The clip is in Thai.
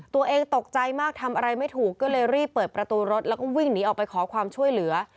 ตัวเองตกใจมากทำอะไรไม่ถูกก็เลยรีบเปิดประตูรถแล้วก็วิ่งหนีออกไปขอความช่วยเหลือ